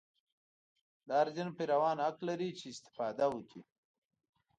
د هر دین پیروان حق لري چې استفاده وکړي.